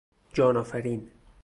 جان آفرین